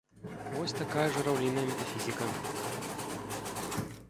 Вось такая жураўліная метафізіка.